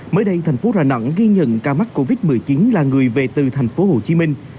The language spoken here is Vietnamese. mới đây thành phố đà nẵng ghi nhận ca mắc covid một mươi chín là người về từ thành phố hồ chí minh